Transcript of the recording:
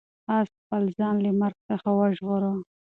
آس خپل ځان له مرګ څخه وژغوره.